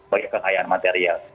bagi kekayaan material